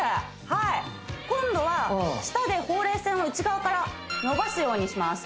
はい今度は舌でほうれい線を内側から伸ばすようにします